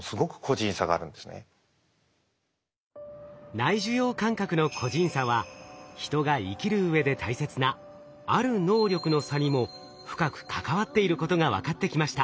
内受容感覚の個人差は人が生きるうえで大切なある能力の差にも深く関わっていることが分かってきました。